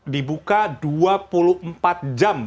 dibuka dua puluh empat jam